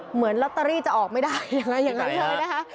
เหมือนลอตเตอรี่จะออกไม่ได้อะไรอย่างนั้นเลยนะคะ